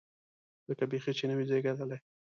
لکه بیخي چې نه وي زېږېدلی.